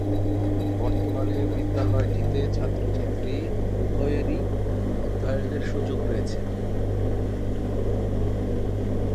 বর্তমানে বিদ্যালয়টিতে ছাত্র/ছাত্রী উভয়েরই অধ্যয়নের সুযোগ রয়েছে।